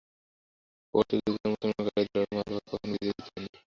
পোর্তুগীজ বা মুসলমান কারও দ্বারাই মালাবার কখনও বিজিত হয়নি।